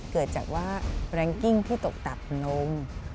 เกิดจากว่าแรงกิ้งที่ตกต่ำลง